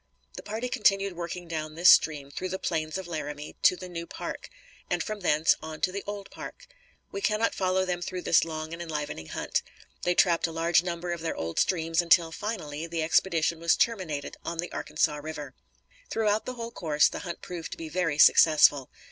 The party continued working down this stream through the plains of Laramie to the New Park; and from thence, on to the Old Park. We cannot follow them through this long and enlivening hunt. They trapped a large number of their old streams until, finally, the expedition was terminated on the Arkansas River. Throughout the whole course the hunt proved to be very successful.